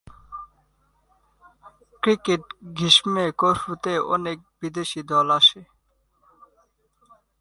Cricket গ্রীষ্মে করফু-তে অনেক বিদেশি দল আসে।